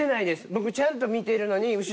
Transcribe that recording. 僕ちゃんと見てるのに。